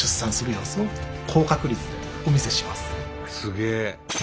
すげえ！